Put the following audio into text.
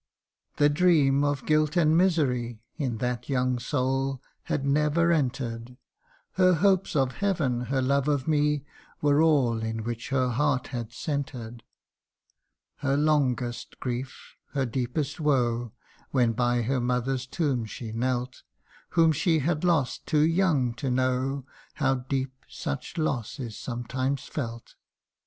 The dream of guilt and misery In that young soul had never enter'd ; Her hopes of Heaven her love of me, Were all in which her heart had centred Her longest grief, her deepest woe, When by her mother's tomb she knelt, Whom she had lost too young to know How deep such loss is sometimes felt.